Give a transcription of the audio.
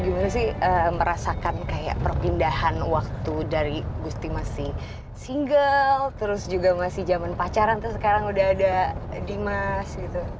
gimana sih merasakan kayak perpindahan waktu dari gusti masih single terus juga masih zaman pacaran terus sekarang udah ada dimas gitu